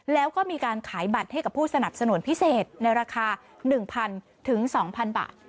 แล้วก็มีการขายบัตรให้กับผู้สนับสนุนพิเศษในราคา๑๐๐๒๐๐บาท